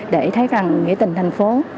để thấy rằng nghĩa tình thành phố